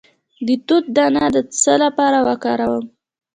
د توت دانه د څه لپاره وکاروم؟